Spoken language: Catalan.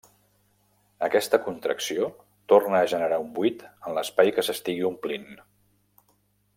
Aquesta contracció torna a generar un buit en l'espai que s'estigui omplint.